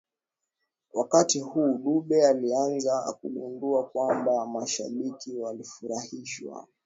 Wakati huu Dube alianza kugundua kwamba mashabiki walifurahishwa